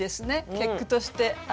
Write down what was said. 結句として。